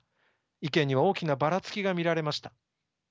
意見には大きなばらつきが見られました。